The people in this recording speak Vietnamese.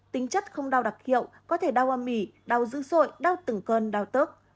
tính chất không đau đặc hiệu có thể đau hoa mỉ đau dữ sội đau tửng cơn đau tức